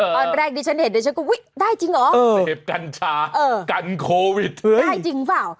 ตอนแรกดิฉันเห็นดิฉันก็อุ๊ยได้จริงเหรอเสพกัญชากันโควิดเถอะได้จริงเปล่า